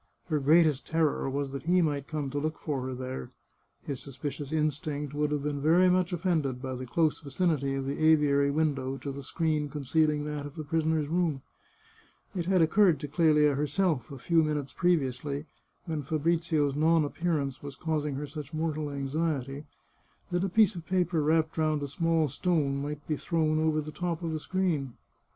Her greatest terror was that he might come to look for her there. His suspicious instinct would have been very much offended by the dose vicinity of the aviary window to the screen concealing that of the prisoner's room. It had occurred to Clelia herself, a few minutes previously, when Fabrizio's non appearance was causing her such mortal anxiety, that a piece of paper wrapped round a small stone might be thrown over the top of the screen.